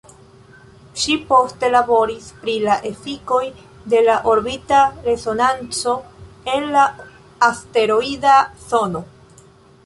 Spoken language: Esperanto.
Ŝi poste laboris pri la efikoj de la orbita resonanco en la asteroida zono.